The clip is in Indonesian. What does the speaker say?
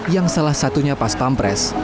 yang salah satunya pas pampres